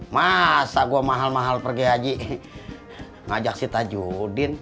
masa gue mahal mahal pergi haji ngajak si tajudin